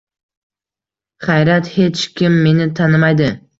Xayriyat, hech kim meni tanimaydi